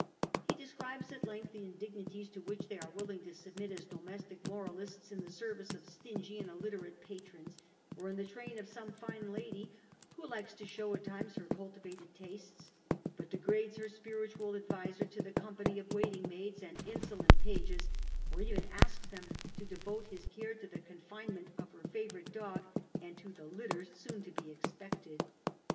He describes at length the indignities to which they are willing to submit as domestic moralists in the service of stingy and illiterate patrons, or in the train of some fine lady who likes to show at times her cultivated tastes, but degrades her spiritual adviser to the company of waiting maids and insolent pages, or even asks him to devote his care to the confinement of her favourite dog, and to the litter soon to be expected.